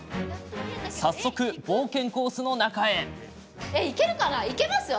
早速、冒険コースの中へ。